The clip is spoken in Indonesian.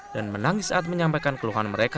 dan menangis saat menyampaikan keluhan mereka